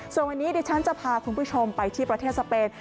ส่วนวันนี้ดิฉันจะพาคุณผู้ชมไปที่ประเทศสเปน